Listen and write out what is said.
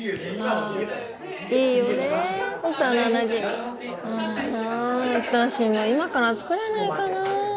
あ私も今から作れないかなぁ。